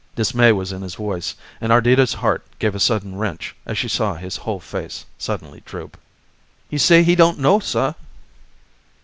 Dismay was in his voice, and Ardita's heart gave a sudden wrench as she saw his whole face suddenly droop. "He say he don't know, suh."